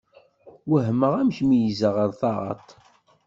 Uhmeɣ amek meyyzen ɣer taɣaṭ.